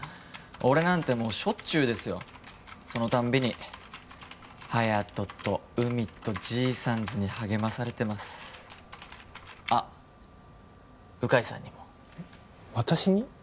俺なんてもうしょっちゅうですよそのたんびに隼人と海と爺さんズに励まされてますあっ鵜飼さんにも私に？